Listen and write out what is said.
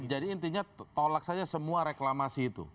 jadi intinya tolak saja semua reklamasi itu